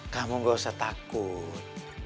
kamu gak usah takut